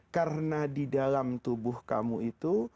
karena di dalam tubuh kamu itu